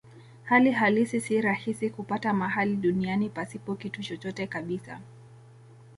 Hali halisi si rahisi kupata mahali duniani pasipo kitu chochote kabisa.